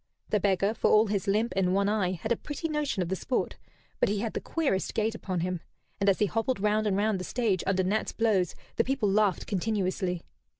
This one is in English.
The beggar, for all his limp and one eye, had a pretty notion of the sport, but he had the queerest gait upon him; and as he hobbled round and round the stage under Nat's blows the people laughed continuously.